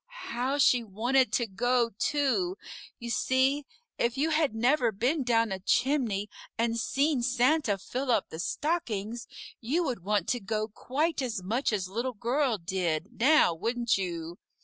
How she wanted to go, too! You see if you had never been down a chimney and seen Santa fill up the stockings, you would want to go quite as much as Little Girl did, now, wouldn't you?